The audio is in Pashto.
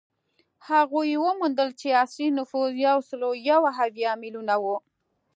هغوی وموندل چې اصلي نفوس یو سل یو اویا میلیونه و